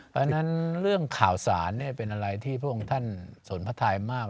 เพราะฉะนั้นเรื่องข่าวสารเนี่ยเป็นอะไรที่พวกท่านสนพัทยมาก